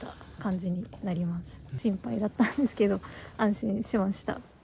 心配だったんですけど、安心しました。